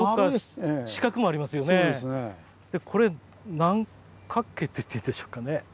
これ何角形って言っていいんでしょうかね？